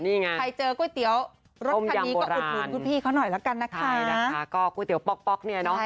นี่ไงใครเจอก๋วยเตี๋ยวรถคันนี้ก็อุดหนุนคุณพี่เขาหน่อยแล้วกันนะคะก็ก๋วยเตี๋ป๊อกป๊อกเนี่ยเนอะ